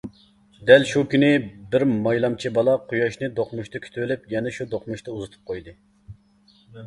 دەل شۇ كۈنى بىر مايلامچى بالا قۇياشنى دوقمۇشتا كۈتۈۋېلىپ، يەنە شۇ دوقمۇشتا ئۇزىتىپ قويدى.